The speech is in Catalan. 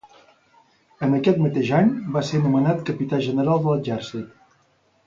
En aquest mateix any va ser nomenat capità general de l'Exèrcit.